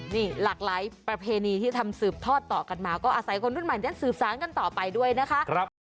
นี่หลากหลายประเพณีที่ทำสืบทอดต่อกันมาก็อาศัยคนรุ่นใหม่นั้นสืบสารกันต่อไปด้วยนะคะ